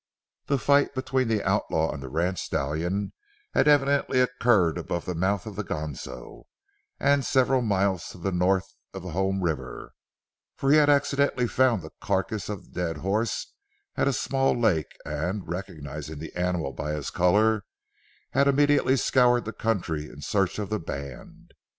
The fight between the outlaw and the ranch stallion had evidently occurred above the mouth of the Ganso and several miles to the north of the home river, for he had accidentally found the carcass of the dead horse at a small lake and, recognizing the animal by his color, had immediately scoured the country in search of the band.